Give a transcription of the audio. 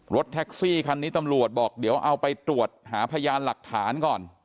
รถแท็กซี่คันนี้ตำรวจบอกเดี๋ยวเอาไปตรวจหาพยานหลักฐานก่อน